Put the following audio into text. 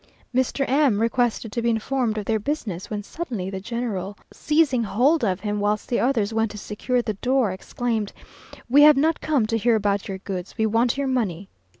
Mr. M requested to be informed of their business, when suddenly the general, seizing hold of him, whilst the others went to secure the door, exclaimed, "We have not come to hear about your goods, we want your money."